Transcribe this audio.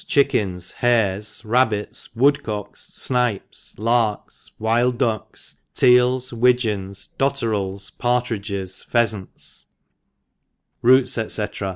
Chickens Hares Rabbits Woodcocks Snipes Larks Wild DacJcs Teals Widgeons Dotterels Partridges Pheafants R O T S, Sec.